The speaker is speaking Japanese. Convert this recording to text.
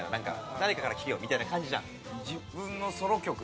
誰かから聞けよみたいな感じじゃん。